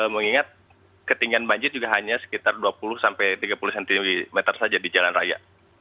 mengingat ketinggian banjir juga hanya sekitar dua puluh sampai tiga puluh cm saja di jalan raya